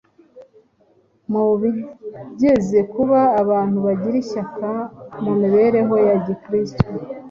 mu bigeze kuba abantu bagira ishyaka mu mibereho ya Gikristo.